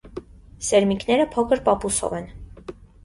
Սերմիկները փոքր պապուսով են։